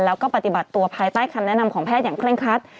แล้วก็ปฏิบัติตัวภายใต้คำแนะนำของแพทย์อย่างเร่งครัด